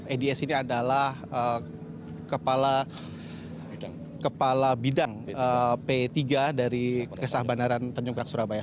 eds ini adalah kepala bidang p tiga dari kesah bandaran tanjung perak surabaya